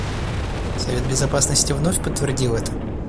Совет Безопасности вновь подтвердил это.